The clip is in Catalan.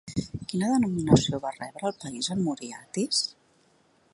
Quina denominació va rebre el país en morir Atis?